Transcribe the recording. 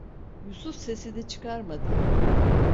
Yusuf sesini çıkarmadı.